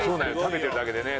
食べてるだけでね。